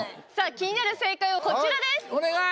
気になる正解は、こちらです！